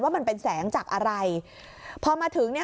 มันเป็นแสงจากอะไรพอมาถึงเนี่ย